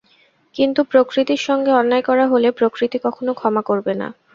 কিন্তু প্রকৃতির সঙ্গে অন্যায় করা হলে প্রকৃতি কখনো ক্ষমা করবে না।